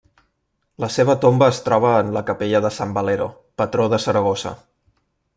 La seva tomba es troba en la capella de Sant Valero, patró de Saragossa.